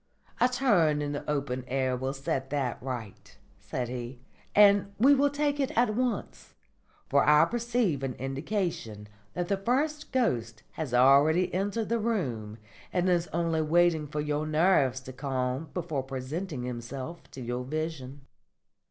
"A turn in the open air will set that right," said he, "and we will take it at once; for I perceive an indication that the first ghost has already entered the room and is only waiting for your nerves to calm before presenting himself to your vision."